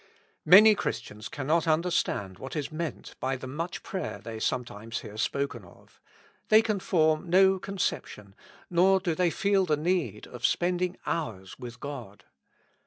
Many Christians cannot under stand what is meant by the much prayer they some times hear spoken of : they can form no conception, nor do they feel the need, of spending hours with God.